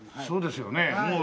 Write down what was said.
そうですよね。